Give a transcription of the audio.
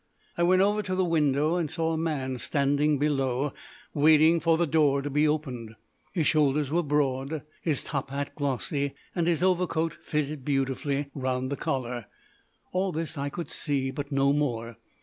I went over to the window, and saw a man standing below waiting for the door to be opened. His shoulders were broad, his top hat glossy, and his overcoat fitted beautifully round the collar. All this I could see, but no more.